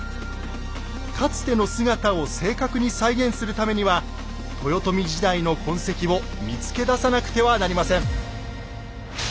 かつての姿を正確に再現するためには豊臣時代の痕跡を見つけ出さなくてはなりません。